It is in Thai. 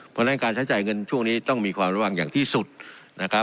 เพราะฉะนั้นการใช้จ่ายเงินช่วงนี้ต้องมีความระวังอย่างที่สุดนะครับ